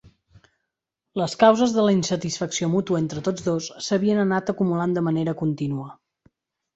Les causes de la insatisfacció mútua entre tots dos s'havien anat acumulant de manera contínua.